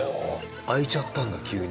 開いちゃったんだ急に。